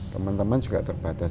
teman teman juga terbatas